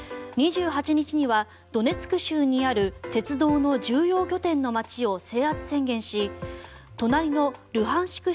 ２８日にはドネツク州にある鉄道の重要拠点の街を制圧宣言し隣のルハンシク